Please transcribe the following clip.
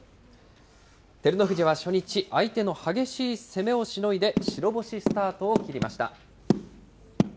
照ノ富士は初日、相手の激しい攻めをしのいで、白星スタートを切りました。